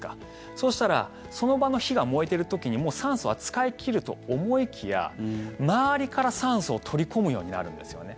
そうしたらその場の火が燃えている時にもう酸素は使い切ると思いきや周りから酸素を取り込むようになるんですね。